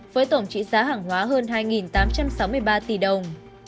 với tổng trị giá hàng hóa hơn hai tám trăm sáu mươi ba tỷ đồng